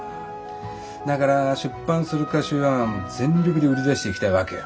だから出版する歌集は全力で売り出していきたいわけよ。